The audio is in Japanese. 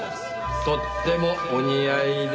とってもお似合いですよ。